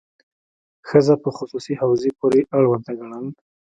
ښځه په خصوصي حوزې پورې اړونده ګڼل.